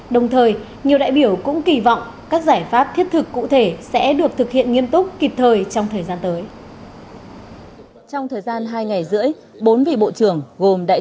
đồng thời nhiều đại biểu cũng kỳ vọng các giải pháp thiết thực cụ thể sẽ được thực hiện nghiêm túc kịp thời trong thời gian tới